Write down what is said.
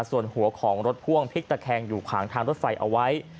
ส่วนหัวของรถพ่วงพลิกตะแคงอยู่ขวางทางรถไฟเอาไว้